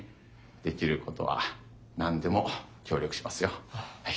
できることは何でも協力しますよ。